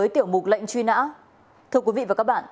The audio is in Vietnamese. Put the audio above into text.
tiểu mục lệnh truy nã